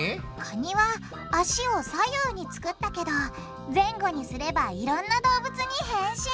カニは脚を左右に作ったけど前後にすればいろんな動物に変身！